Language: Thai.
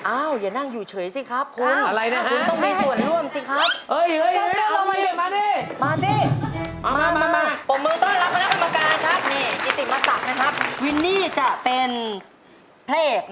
อ้าวอย่านั่งอยู่เฉยสิครับคุณ